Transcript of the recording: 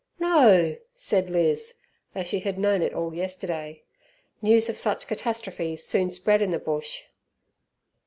"No!" said Liz, though she had known it all yesterday. News of such catastrophes soon spread in the bush.